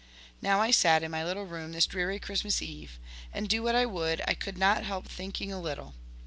Now I sat in my little room this dreary Christmas eve; and do what I would, I could not help thinking a little.